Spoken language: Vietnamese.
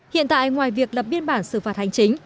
hiện tại ngoài việc lập biên bản xử phạt hành chính